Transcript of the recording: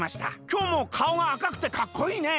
『きょうもかおがあかくてかっこいいね』